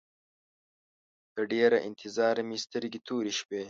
له ډېره انتظاره مې سترګې تورې شوې.